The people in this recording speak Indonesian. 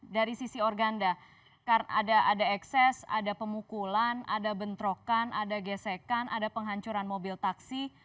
dari sisi organda ada ekses ada pemukulan ada bentrokan ada gesekan ada penghancuran mobil taksi